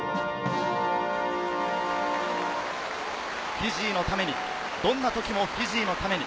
フィジーのために、どんなときもフィジーのために。